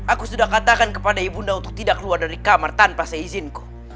aku sudah katakan kepada ibu unda untuk tidak keluar dari kamar tanpa izinku